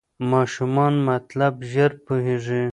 ماشومان مطلب ژر پوهېږي.